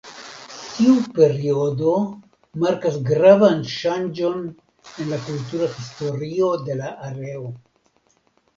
Tiu periodo markas gravan ŝanĝon en la kultura historio de la areo.